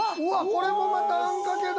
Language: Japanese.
これもまたあんかけだ。